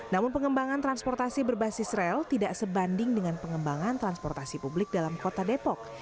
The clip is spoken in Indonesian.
namun pengembangan transportasi berbasis rel tidak sebanding dengan pengembangan transportasi publik dalam kota depok